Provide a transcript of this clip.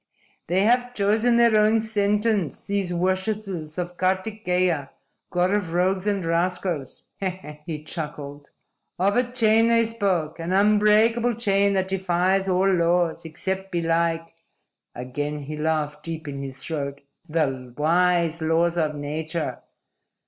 "They have chosen their own sentence, these worshipers of Kartikeya, God of Rogues and Rascals," he chuckled. "Of a chain they spoke. An unbreakable chain that defies all laws, except belike" again he laughed deep in his throat "the wise laws of nature.